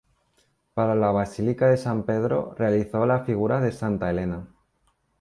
Para la basílica de San Pedro realizó la figura de "Santa Elena".